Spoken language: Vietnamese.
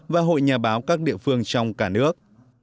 và hội nhà báo các địa phương trong cả nước